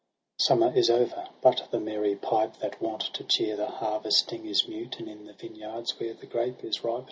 SEPTEMBER lyi 12 ' Summer is over, but the merry pipe, That wont to cheer the harvesting, is mute : And in the vineyards, where the grape is ripe.